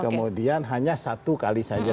kemudian hanya satu kali saja